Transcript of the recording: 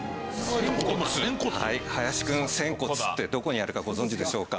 林くん仙骨ってどこにあるかご存じでしょうか？